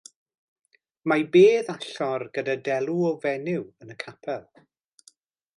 Mae bedd-allor gyda delw o fenyw yn y capel.